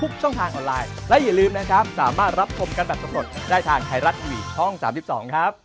แบบทรงปลดได้ทางไทยรัฐทีวีช่อง๓๒ครับ